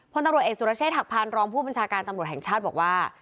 พลตำรวจเอกสุรเชษฐหักพานรองผู้บัญชาการตำรวจแห่งชาติบอกว่า